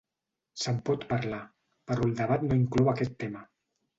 Se'n pot parlar, però el debat no inclou aquest tema.